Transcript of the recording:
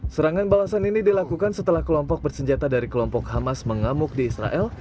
serangan balasan ini dilakukan setelah kelompok bersenjata dari kelompok hamas mengamuk di israel